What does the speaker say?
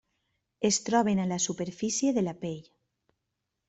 Es troben a la superfície de la pell.